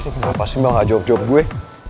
kenapa sih mel gak jawab jawab gue